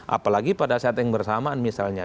apalagi pada saat yang bersamaan misalnya